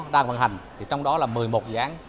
đang vận hành thì trong đó là một mươi một dự án